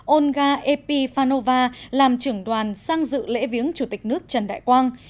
olga epifanova làm trưởng đoàn sang dự lễ viếng chủ tịch nước trần đại quang